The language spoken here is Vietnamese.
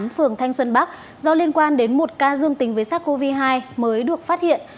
phường thanh xuân bắc do liên quan đến một ca dương tính với sars cov hai mới được phát hiện